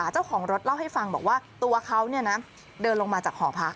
เจ้าของรถเล่าให้ฟังบอกว่าตัวเขาเดินลงมาจากหอพัก